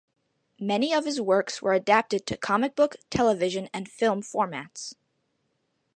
Many of his works were adapted to comic book, television and film formats.